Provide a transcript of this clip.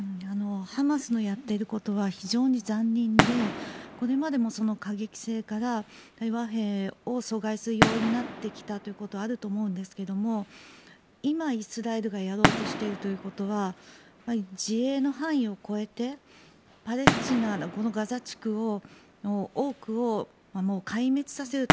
ハマスのやっていることは非常に残忍でこれまでもその過激性から和平を阻害する要因になってきたということはあると思うんですけど今、イスラエルがやろうとしているということは自衛の範囲を超えてパレスチナのガザ地区の多くを壊滅させると。